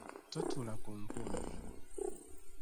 Totuula ku nkumbi.